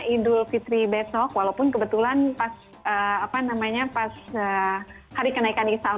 idul fitri besok walaupun kebetulan pas hari kenaikan isal